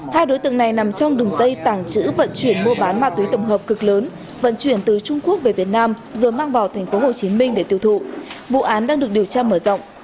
hai đối tượng này nằm trong đường dây tàng trữ vận chuyển mua bán ma túy tổng hợp cực lớn vận chuyển từ trung quốc về việt nam rồi mang vào tp hcm để tiêu thụ vụ án đang được điều tra mở rộng